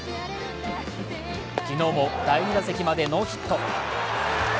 昨日も、第２打席までノーヒット。